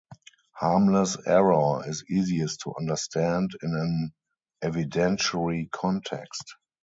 Harmless error is easiest to understand in an evidentiary context.